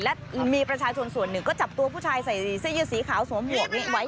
และมีประชาชนส่วนหนึ่งก็จับตัวผู้ชายใส่เสื้อยืดสีขาวสวมหวกนี้ไว้